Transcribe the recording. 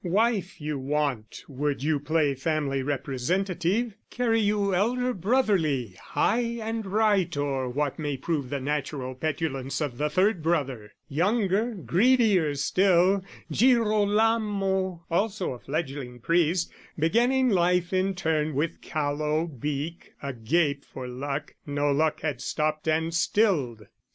Wife you want Would you play family representative, Carry you elder brotherly, high and right O'er what may prove the natural petulance Of the third brother, younger, greedier still, Girolamo, also a fledgeling priest, Beginning life in turn with callow beak Agape for luck, no luck had stopped and stilled.